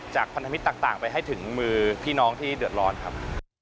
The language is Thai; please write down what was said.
พันธมิตรต่างไปให้ถึงมือพี่น้องที่เดือดร้อนครับ